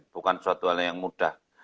bukan suatu hal yang mudah